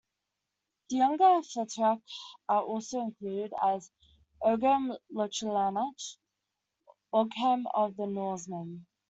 The Younger Futhark are also included, as" ogam lochlannach" "ogham of the Norsemen".